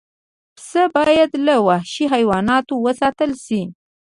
پسه باید له وحشي حیواناتو وساتل شي.